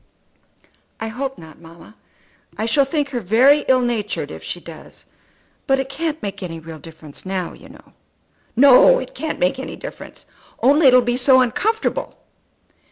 "I hope not, mamma. I shall think her very ill natured if she does. But it can't make any real difference now, you know." "No; it can't make any difference. Only it will be so uncomfortable."